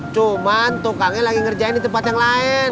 cuma tukangnya lagi ngerjain di tempat yang lain